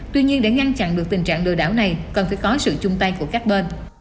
tuy nhiên để ngăn chặn được tình trạng lừa đảo này cần phải có sự chung tay của các bên